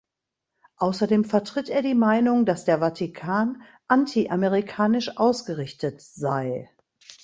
Außerdem vertritt er die Meinung, dass der Vatikan anti-amerikanisch ausgerichtet sei.